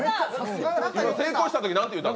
成功したとき何て言うた？